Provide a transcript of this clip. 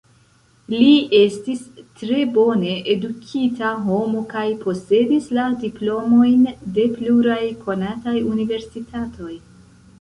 Li estis tre bone edukita homo kaj posedis la diplomojn de pluraj konataj universitatoj.